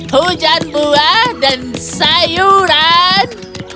hujan buah dan sayuran